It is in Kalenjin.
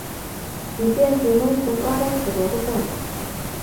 kiten simoishek oret che kokichor